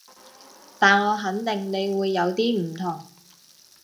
但我肯定你會有啲唔同